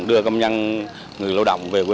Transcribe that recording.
đưa công nhân người lao động về quê